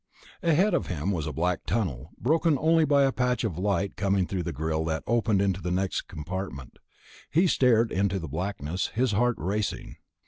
Ahead of him was a black tunnel, broken only by a patch of light coming through the grill that opened into the next compartment. He started into the blackness, his heart racing.